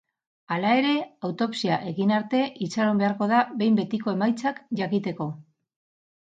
Hala ere, autopsia egin arte itxaron beharko da behin betiko emaitzak jakiteko.